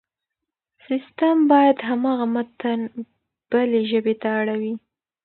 سيستم بيا هماغه متن بلې ژبې ته اړوي.